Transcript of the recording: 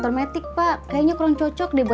terima kasih ya bu